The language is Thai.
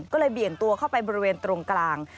ก็เลยเบี่ยงตัวเข้าไปบริเวณตรงกลาง